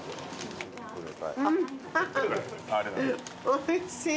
おいしい！